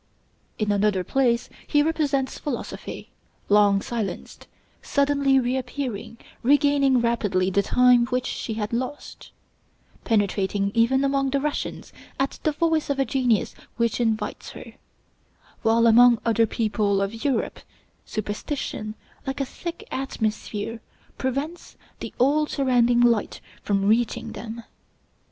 In another place, he represents philosophy, long silenced, suddenly reappearing, regaining rapidly the time which she had lost; penetrating even among the Russians at the voice of a genius which invites her; while among other people of Europe, superstition, like a thick atmosphere, prevents the all surrounding light from reaching them.